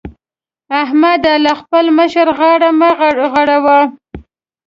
احمده! له خپل مشره غاړه مه غړوه.